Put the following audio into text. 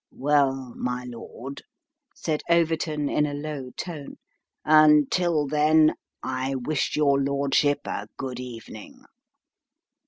" Well, my lord," said Overton, in a low tone, " until then, I wish your lordship a good evening."